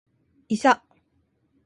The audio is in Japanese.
いさ